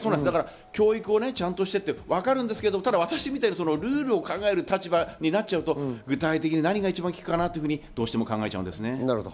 教育をちゃんとしてって分かるんですけど、私みたいにルールを考える立場になっちゃうと、具体的に何が一番効くのかと、どうしても考えてしまうんですよ